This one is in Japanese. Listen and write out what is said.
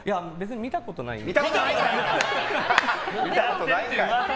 見たことないんかい！